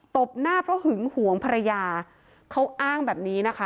บหน้าเพราะหึงหวงภรรยาเขาอ้างแบบนี้นะคะ